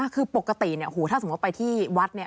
คือปกตินะถ้าสมมติว่าไปที่วัด